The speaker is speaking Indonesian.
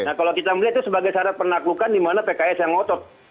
nah kalau kita melihat itu sebagai syarat penaklukan di mana pks yang ngotot